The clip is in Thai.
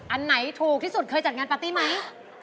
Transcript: อันไหนถูกที่สุดเคยจัดงานปาร์ตี้ไหม